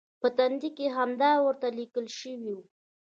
په تندي کې همدا ورته لیکل شوي و.